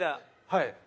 はい。